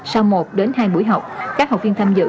sau một đến hai buổi học các học viên tham dự